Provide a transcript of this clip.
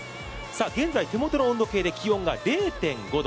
現在、手元の温度計で気温が０．５度。